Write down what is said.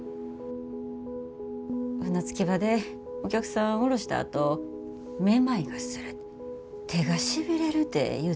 船着き場でお客さん降ろしたあとめまいがする手がしびれるて言うたんやて。